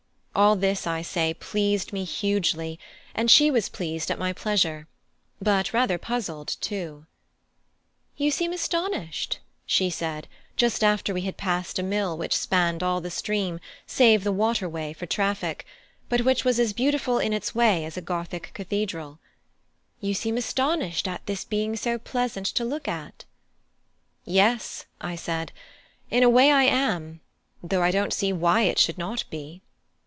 All this, I say, pleased me hugely, and she was pleased at my pleasure but rather puzzled too. "You seem astonished," she said, just after we had passed a mill which spanned all the stream save the water way for traffic, but which was as beautiful in its way as a Gothic cathedral "You seem astonished at this being so pleasant to look at." "Yes," I said, "in a way I am; though I don't see why it should not be."